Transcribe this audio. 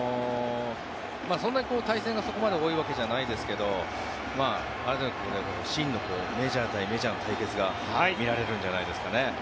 そんなに対戦がそこまで多いわけじゃないですが真のメジャー対メジャーの対決が見られるんじゃないですかね。